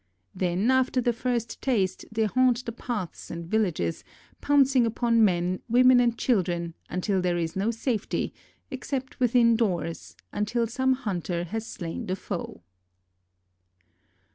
Then after the first taste they haunt the paths and villages, pouncing upon men, women and children until there is no safety, except within doors, until some hunter has slain the foe.